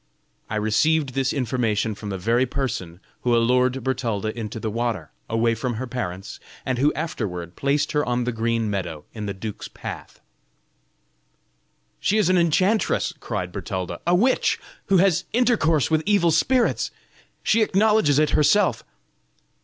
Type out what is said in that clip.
I received this information from the very person who allured Bertalda into the water, away from her parents, and who afterward placed her on the green meadow in the duke's path." "She is an enchantress!" cried Bertalda, "a witch, who has intercourse with evil spirits. She acknowledges it herself."